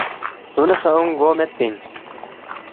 سُو نہ سہ اونگ گو میدپی اِن